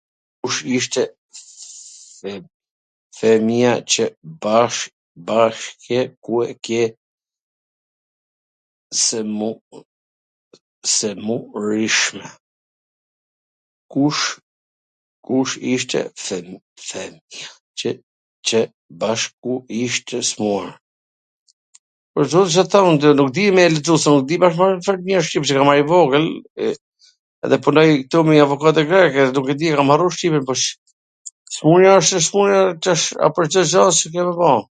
Kush ishte fwmija qw bashku [???] ishte smur? Pwr zotin, Ca t them un ty, di me lexu ... shqip qw kam marr i vogwl, edhe punoj ktu me njw avokate greke, nuk e di , e kam harru shqipen,, smun-ja asht smun-je po tash pwr Ca a